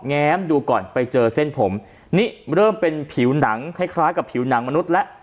แง้มดูก่อนไปเจอเส้นผมนี่เริ่มเป็นผิวหนังคล้ายคล้ายกับผิวหนังมนุษย์แล้ว